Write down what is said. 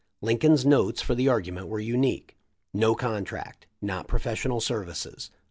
Lincoln's notes for the argument were unique : "No contract. — Not profes sional services.